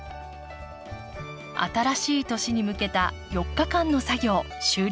新しい年に向けた４日間の作業終了です。